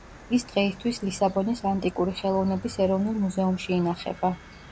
ის დღეისთვის ლისაბონის ანტიკური ხელოვნების ეროვნული მუზეუმში ინახება.